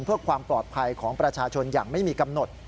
เพื่อความปลอดภัยของประชาชนอย่างไม่มีกำหนด